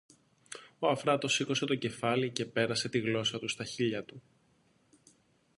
Ο Αφράτος σήκωσε το κεφάλι και πέρασε τη γλώσσα του στα χείλια του.